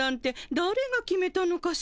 だれが決めたのかしら？